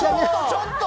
ちょっと！